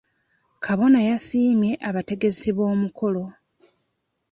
Kabona yasimye abategesi b'omukolo.